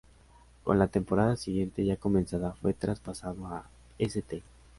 Con la temporada siguiente ya comenzada, fue traspasado a St.